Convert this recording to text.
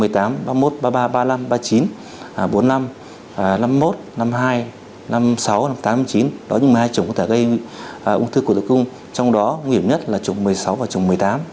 đó là những một mươi hai chủng có thể gây ung thư cổ tử cung trong đó nguy hiểm nhất là chủng một mươi sáu và chủng một mươi tám